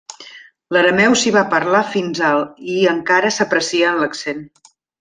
L'arameu s'hi va parlar fins al i encara s'aprecia en l'accent.